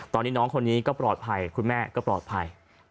ตอนนี้น้องคนนี้ก็ปลอดภัยคุณแม่ก็ปลอดภัย